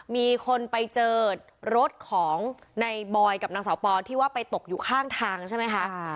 มีคนไปเจอรถของในบอยกับนางสาวปอที่ว่าไปตกอยู่ข้างทางใช่ไหมคะ